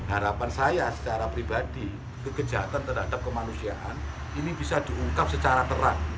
harapan saya secara pribadi kekejahatan terhadap kemanusiaan ini bisa diungkap secara terang